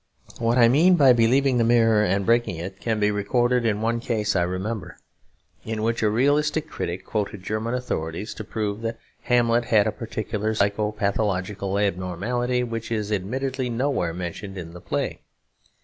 What I mean by believing the mirror, and breaking it, can be recorded in one case I remember; in which a realistic critic quoted German authorities to prove that Hamlet had a particular psycho pathological abnormality, which is admittedly nowhere mentioned in the play.